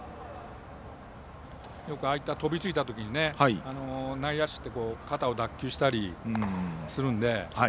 よく、ああいった飛びついたときに内野手って肩を脱臼したりするので。